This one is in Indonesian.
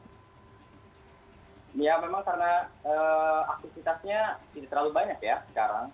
ya memang karena aktivitasnya tidak terlalu banyak ya sekarang